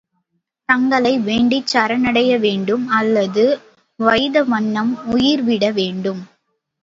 தங்களை வேண்டிச் சரணடைய வேண்டும் அல்லது வைதவண்ணம் உயிர்விட வேண்டும்.